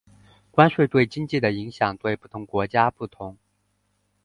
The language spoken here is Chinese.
关税对经济的影响对不同国家不同。